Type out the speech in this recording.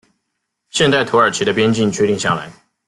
现代土耳其的边境确定下来。